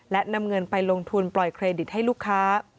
และนำเงินไปลงทุนปล่อยเครดิตให้ลูกค้า